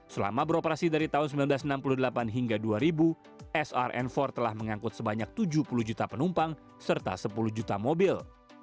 selama beroperasi dari tahun seribu sembilan ratus enam puluh delapan hingga dua ribu srn empat telah mengangkut sebanyak tujuh puluh juta penumpang serta sepuluh juta mobil